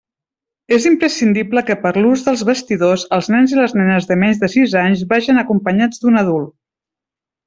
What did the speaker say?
És imprescindible que per l'ús dels vestidors, els nens i nenes de menys de sis anys vagin acompanyats d'un adult.